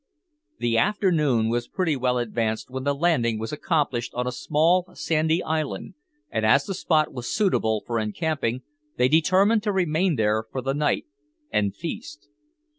The afternoon was pretty well advanced when the landing was accomplished on a small sandy island, and as the spot was suitable for encamping, they determined to remain there for the night, and feast.